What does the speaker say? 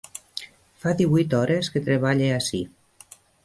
Fa díhuit hores que treballe ací.